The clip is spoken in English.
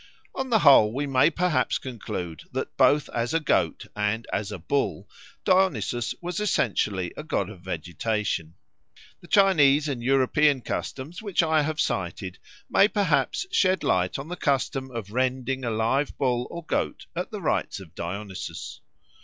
On the whole we may perhaps conclude that both as a goat and as a bull Dionysus was essentially a god of vegetation. The Chinese and European customs which I have cited may perhaps shed light on the custom of rending a live bull or goat at the rites of Dionysus.